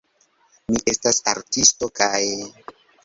Mi estas artisto, kaj...